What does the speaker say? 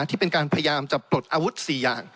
ที่เป็นการพยายามจะปลดอาวุธ๔อย่าง